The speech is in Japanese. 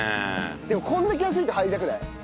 でもこんだけ暑いと入りたくない？